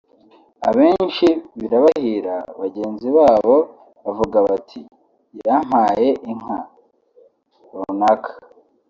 Abenshi birahira bagenzi babo bavuga bati ‘yamapaye inka’ [runaka]